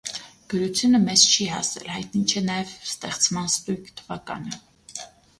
Գրությունը մեզ չի հասել, հայտնի չէ նաև ստեղծման ստույգ թվականը։